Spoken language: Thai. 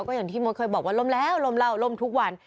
ก็อย่างที่มดเคยบอกว่าล่มแล้วล่มเหล้าล่มทุกวัน